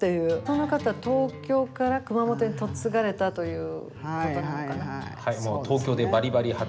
この方東京から熊本に嫁がれたということなのかな？